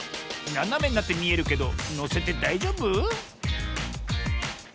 ななめになってみえるけどのせてだいじょうぶ？